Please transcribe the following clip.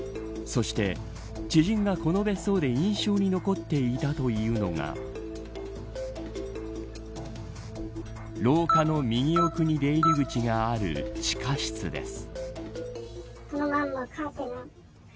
そして、知人がこの別荘で印象に残っていたというのが廊下の右奥に出入り口がある地下室です。